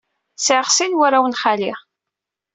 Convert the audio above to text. Sɛiɣ sin n warraw n xali.